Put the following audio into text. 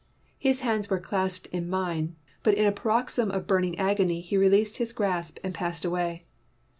His hands were clasped in mine, but in a paroxysm of burning agony he released his grasp and passed away.